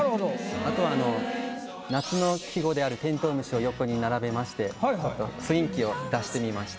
あとあの夏の季語である「てんとう虫」を横に並べましてちょっと雰囲気を出してみました。